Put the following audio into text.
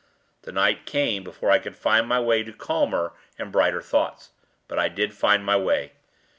The night came before I could find my way to calmer and brighter thoughts. But I did find my way.